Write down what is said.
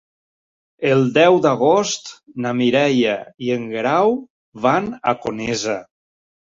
El deu d'agost na Mireia i en Guerau van a Conesa.